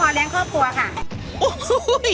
รายได้ก็พอเลี้ยงครอบครัวค่ะ